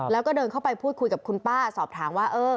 แล้วก็เดินเข้าไปพูดคุยกับคุณป้าสอบถามว่า